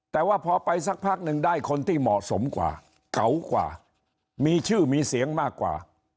แต่ว่าพอไปสักพักหนึ่งได้คนที่เหมาะสมกว่าเก่ากว่ามีชื่อมีเสียงมากกว่า